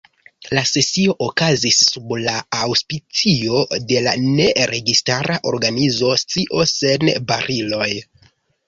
La sesio okazis sub la aŭspicio de la Ne Registara Organizo Scio Sen Bariloj.